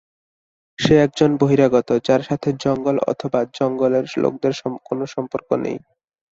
সে একজন বহিরাগত, যার সাথে জঙ্গল অথবা জঙ্গলের লোকদের কোন সম্পর্ক নেই।